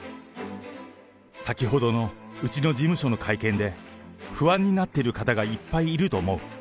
先ほどのうちの事務所の会見で、不安になってる方がいっぱいいると思う。